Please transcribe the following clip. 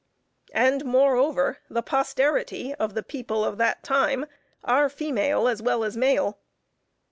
And moreover, the posterity of the people of that time are female as well as male.